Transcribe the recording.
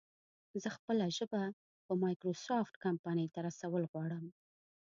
زه خپله ژبه په مايکروسافټ کمپنۍ ته رسول غواړم